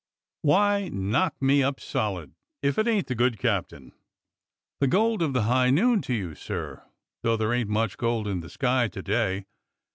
"Why, knock me up solid if it ain't the good captain! The gold of the high noon to you, sir, though there ain't much gold in the sky to day.